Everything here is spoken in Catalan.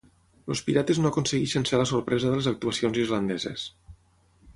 Els Pirates no aconsegueixen ser la sorpresa de les actuacions islandeses.